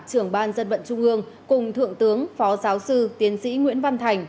trưởng ban dân vận trung ương cùng thượng tướng phó giáo sư tiến sĩ nguyễn văn thành